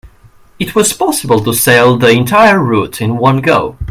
It was possible to sail the entire route in one go.